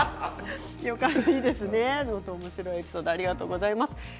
おもしろいエピソードありがとうございます。